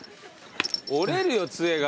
折れるよ杖が。